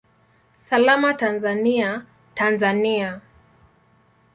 Salama Tanzania, Tanzania!